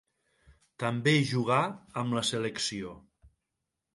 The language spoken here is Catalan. També jugà amb la selecció.